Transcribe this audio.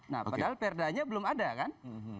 nah padahal perdanya belum ada kan